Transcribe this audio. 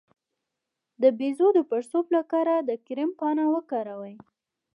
د بیضو د پړسوب لپاره د کرم پاڼه وکاروئ